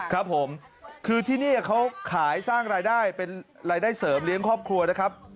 ครับผมคือที่นี่เขาขายสร้างรายได้เป็นรายได้เสริมเลี้ยงครอบครัวนะครับ